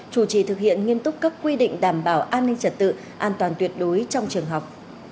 chủ trì thực hiện nghiêm túc các quy định đảm bảo an ninh trật tự an toàn tuyệt đối trong trường học